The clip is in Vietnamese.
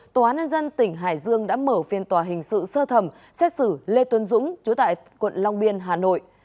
tòa án nhân dân tỉnh hải dương đã mở phiên tòa hình sự sơ thẩm xét xử lê tuấn dũng chủ tại quận long biên hà nội